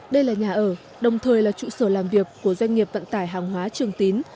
đây là nhà ở đồng thời là trụ sở làm việc của doanh nghiệp vận tải hàng hóa trường tín